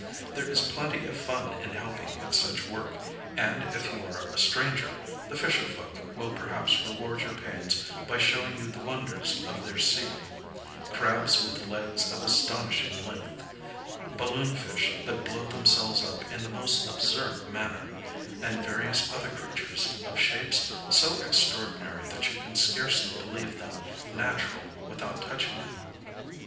There is plenty of fun in helping at such work; and if you are a stranger, the fisher folk will perhaps reward your pains by showing you the wonders of their sea: crabs with legs of astonishing length, balloon fish that blow themselves up in the most absurd manner, and various other creatures of shapes so extraordinary that you can scarcely believe them natural without touching them.